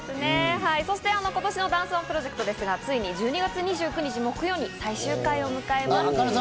そして今年のダンスＯＮＥプロジェクトがついに１２月２９日、木曜日に最終回になります。